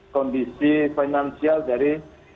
kondisi finansial dari